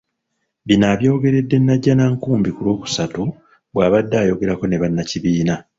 Bino abyogeredde Najjanankumbi ku Lwokusatu bw'abadde ayogerako ne bannakibiina.